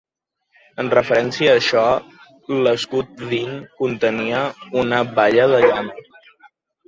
En referència a això, l'escut d'Inn contenia una balla de llana.